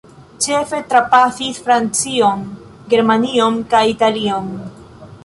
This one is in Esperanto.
Ĉefe trapasis Francion, Germanion kaj Italion.